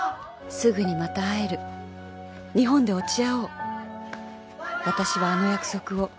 「すぐにまた会える」「日本で落ち合おう」「私はあの約束を」